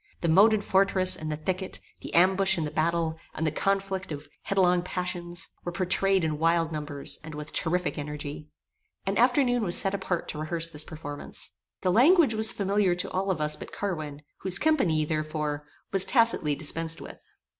The moated fortress, and the thicket; the ambush and the battle; and the conflict of headlong passions, were pourtrayed in wild numbers, and with terrific energy. An afternoon was set apart to rehearse this performance. The language was familiar to all of us but Carwin, whose company, therefore, was tacitly dispensed with.